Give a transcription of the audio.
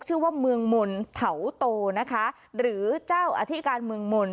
ชื่อว่ามึงมลเมืองมุนเทาโตนะคะหรือเจ้าอธิกานเมืองมุน